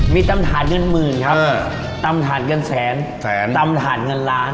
มีตำถาดเงินหมื่นครับอ๋อตำถานกันแสนแสนตำถาดเงินล้าน